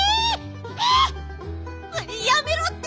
やめろって！